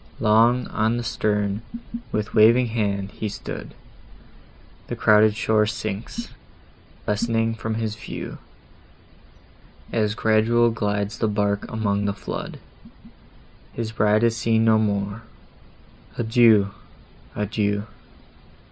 Long on the stern, with waving hand, he stood; The crowded shore sinks, lessening, from his view, As gradual glides the bark along the flood; His bride is seen no more—"Adieu!—adieu!"